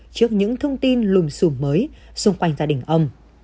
trước những thông tin lùm xùm mới xung quanh gia đình ông